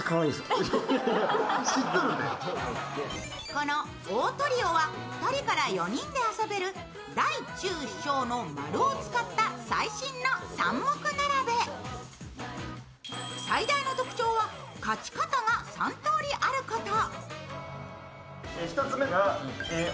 このオートリオは１人から４人で遊べる大中小の丸を使った最新の３目並べ最大の特徴は勝ち方が３とおりあること。